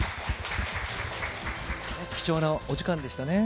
貴重なお時間でしたね。